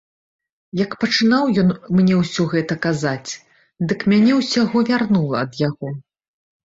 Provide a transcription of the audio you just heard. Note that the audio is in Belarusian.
Як пачынаў ён мне ўсё гэта казаць, дык мяне ўсяго вярнула ад яго.